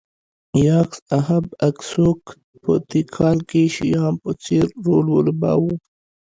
یاکس اهب اکسوک په تیکال کې شیام په څېر رول ولوباوه